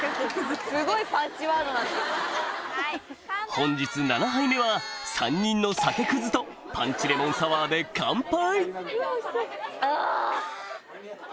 本日７杯目は３人の酒クズとパンチレモンサワーで乾杯！